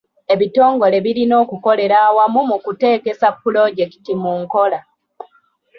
Ebitongole birina okukolera awamu mu kuteekesa pulojekiti mu nkola.